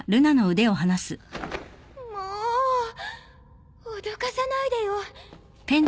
もう脅かさないでよ。